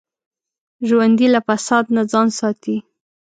ژوندي له فساد نه ځان ساتي